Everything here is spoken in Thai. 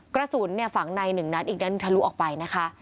กระสุนฝังในหนึ่งนัดอีกด้านทะลุออกไปนะคะ